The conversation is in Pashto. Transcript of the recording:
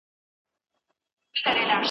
زه يې په سپينه څرمن هسې تېروتمه